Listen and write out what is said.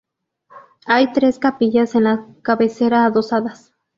Hay tres capillas en las cabecera adosadas.